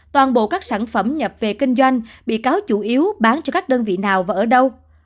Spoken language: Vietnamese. toàn bộ các sản phẩm nhập về kinh doanh bị cáo chủ yếu bán cho các đơn vị nào và ở đâu